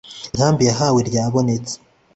inkambi yahawe ryabonetse,